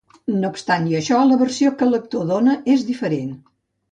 No obstant això, la versió que l'actor dóna és diferent.